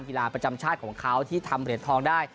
กีฬาประจำชาติของเขาที่ทำเหรียญทองได้